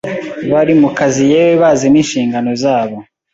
bari mu kazi yewe bazi n’inshingano zabo.